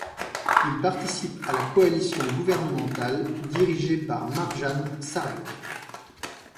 Il participe à la coalition gouvernementale dirigée par Marjan Šarec.